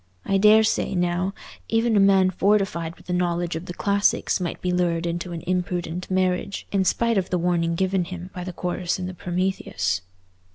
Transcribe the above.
I daresay, now, even a man fortified with a knowledge of the classics might be lured into an imprudent marriage, in spite of the warning given him by the chorus in the Prometheus."